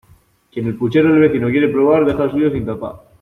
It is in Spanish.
Quien el puchero del vecino quiere probar, deje el suyo sin tapar.